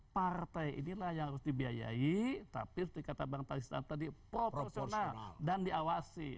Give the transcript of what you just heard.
partai inilah yang harus dibiayai tapi seperti kata bang taisan tadi proporsional dan diawasi